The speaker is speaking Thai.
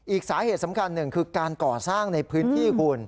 อีกสาเหตุสำคัญหนึ่งคือการก่อสร้างในพื้นที่คุณ